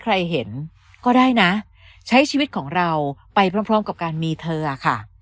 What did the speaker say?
ใครเห็นก็ได้นะใช้ชีวิตของเราไปพร้อมกับการมีเธอค่ะ